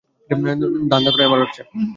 ধান্দা করাই আমার ব্যবসা।